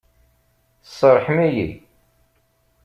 Serrḥem-iyi!